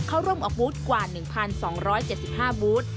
เข้าร่วมออกบูธกว่า๑๒๗๕บูธ